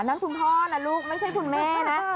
นั่นคุณพ่อนะลูกไม่ใช่คุณแม่นะ